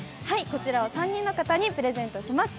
こちらを３人の方にプレゼントします。